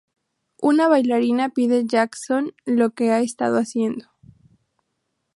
Una bailarina pide Jackson lo que ha estado haciendo.